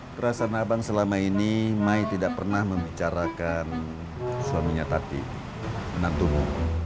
perasaan abang selama ini mai tidak pernah membicarakan suaminya tapi menantumu